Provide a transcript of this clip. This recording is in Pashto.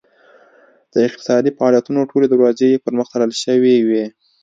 د اقتصادي فعالیتونو ټولې دروازې یې پرمخ تړل شوې وې.